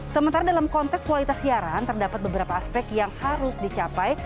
sementara dalam konteks kualitas siaran terdapat beberapa aspek yang harus dicapai